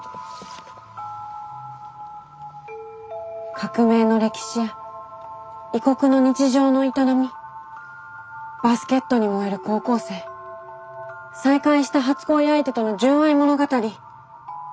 革命の歴史や異国の日常の営みバスケットに燃える高校生再会した初恋相手との純愛物語。